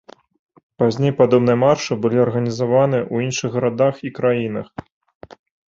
Пазней падобныя маршы былі арганізаваны ў іншых гарадах і краінах.